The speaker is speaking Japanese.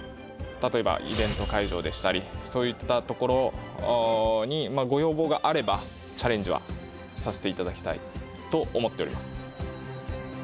例えばイベント会場でしたりそういったところにご要望があればチャレンジはさせていただきたいと思っております。